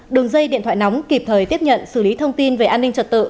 đường dây điện thoại nóng kịp thời tiếp nhận xử lý thông tin về an ninh trật tự